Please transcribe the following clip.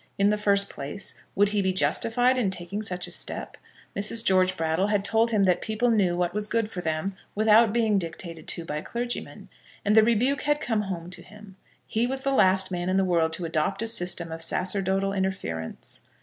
In the first place, would he be justified in taking such a step? Mrs. George Brattle had told him that people knew what was good for them without being dictated to by clergymen; and the rebuke had come home to him. He was the last man in the world to adopt a system of sacerdotal interference.